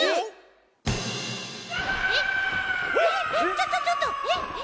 ちょちょちょっと！え？え？